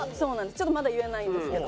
ちょっとまだ言えないんですけど。